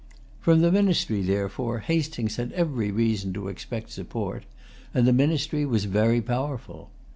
From the ministry, therefore, Hastings had every reason to expect support; and the ministry was very powerful.